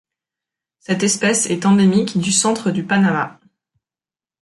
Cette espèce est endémique du centre du Panamá.